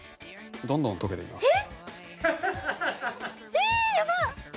どんどん溶けていきます。